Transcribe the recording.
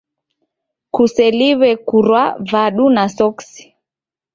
Kuseliw'e kurwa vadu na soksi.